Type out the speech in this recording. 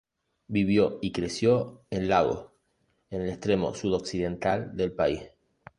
Vivió y creció en Lagos en el extremo sud-occidental del país.